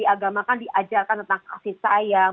agama kan diajarkan tentang kasih sayang